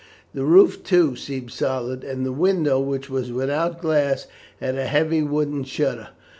The roof, too, seemed solid; and the window, which was without glass, had a heavy wooden shutter.